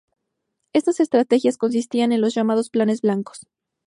Estas estrategias consistían en los llamados Planes Blancos.